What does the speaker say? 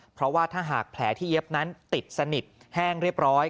เพราะว่าถ้าหากแผลที่เย็บนั้นติดสนิทแห้งเรียบร้อย